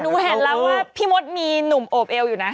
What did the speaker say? เห็นแล้วว่าพี่มดมีหนุ่มโอบเอวอยู่นะ